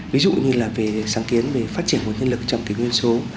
ví dụ như sáng kiến về phát triển nguồn nhân lực trong nguyên số